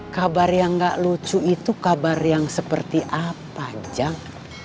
kabar yang gak lucu itu kabar yang seperti apa jak